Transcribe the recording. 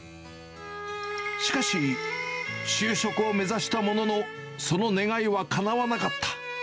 しかし、就職を目指したものの、その願いはかなわなかった。